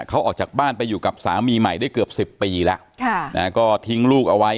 เขาออกจากบ้านไปอยู่กับสามีใหม่ได้เกือบสิบปีแล้วก็ทิ้งลูกเอาไว้